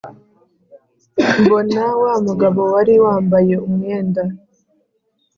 Mbona wa mugabo wari wambaye umwenda